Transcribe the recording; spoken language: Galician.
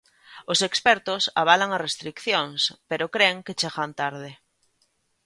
Os expertos avalan as restricións, pero cren que chegan tarde.